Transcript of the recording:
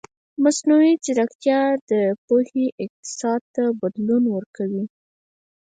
مصنوعي ځیرکتیا د پوهې اقتصاد ته بدلون ورکوي.